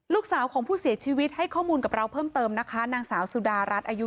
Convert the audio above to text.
ลูกสาวของผู้เสียชีวิตให้ข้อมูลกับเราเพิ่มเติมนะคะนางสาวสุดารัฐอายุ